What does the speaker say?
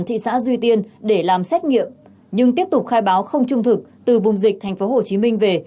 thị xã duy tiên để làm xét nghiệm nhưng tiếp tục khai báo không trung thực từ vùng dịch thành phố hồ chí minh về